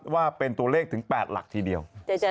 ว่าเป็นตัวเลขถึง๘หลักทีเดียว